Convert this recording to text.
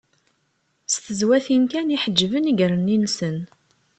S tezwatin kan i d-ḥeǧben iger-nni-nsen.